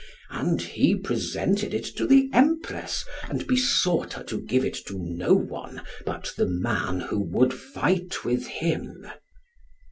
And he presented it to the Empress, and besought her to give it to no one but the man who would fight with him.